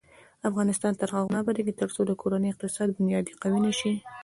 افغانستان تر هغو نه ابادیږي، ترڅو د کورنۍ اقتصادي بنیادي قوي نشي.